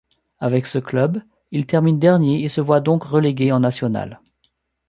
Avec ce club, il termine dernier et se voit donc relégué en National.